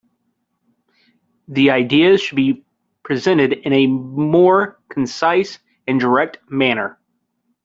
The ideas should be presented in a more concise and direct manner.